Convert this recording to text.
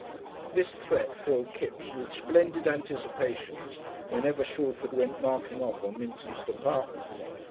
The threat filled Kipps with splendid anticipations whenever Shalford went marking off in Minton's department.